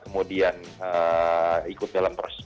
kemudian ikut dalam perusahaan